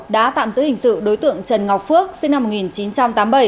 đã tạm giữ hình sự đối tượng trần ngọc phước sinh năm một nghìn chín trăm tám mươi bảy